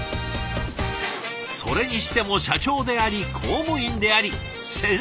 それにしても社長であり公務員であり先生までやっちゃう。